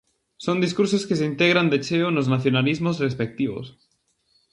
Son discursos que se integran de cheo nos nacionalismos respectivos.